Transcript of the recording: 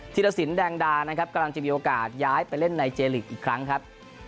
รสินแดงดานะครับกำลังจะมีโอกาสย้ายไปเล่นในเจลีกอีกครั้งครับ